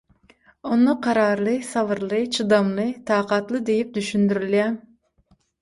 Onda kararly – sabyrly, çydamly, takatly diýip düşündirilýär.